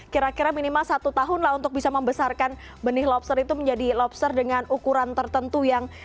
kira kira minimal satu tahun lah untuk bisa membesarkan benih lobster itu menjadi lobster dengan ukuran tertentu yang